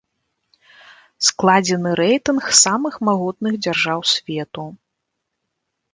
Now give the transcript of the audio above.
Складзены рэйтынг самых магутных дзяржаў свету.